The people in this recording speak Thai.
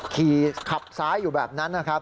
ขี่ขับซ้ายอยู่แบบนั้น